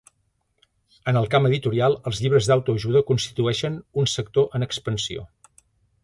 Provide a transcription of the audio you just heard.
En el camp editorial els llibres d'autoajuda constitueixen un sector en expansió.